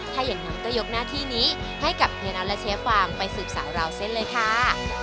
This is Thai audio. ถ้าอย่างนั้นก็ยกหน้าที่นี้ให้กับเฮียน็อตและเชฟฟาร์มไปสืบสาวราวเส้นเลยค่ะ